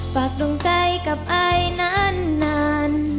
ปากดวงใจกับไอนาน